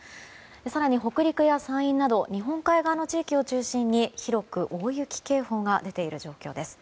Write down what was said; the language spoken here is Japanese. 更に北陸や山陰など日本海側の地域を中心に広く大雪警報が出ている状況です。